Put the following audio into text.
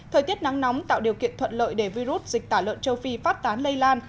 thời tiết nắng nóng tạo điều kiện thuận lợi để virus dịch tả lợn châu phi phát tán lây lan